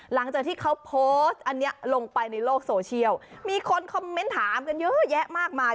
หลังจากที่เขาโพสต์อันนี้ลงไปในโลกโซเชียลมีคนคอมเมนต์ถามกันเยอะแยะมากมาย